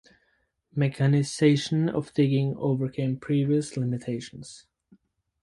Mechanization of digging overcame previous limitations.